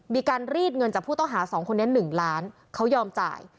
มีการรีดเงินจากผู้ต้องหา๒คนนี้๑ล้านเขายอมจ่าย